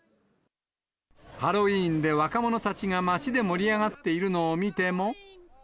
ハロウィーンで若者たちが街で盛り上がっているのを見ても。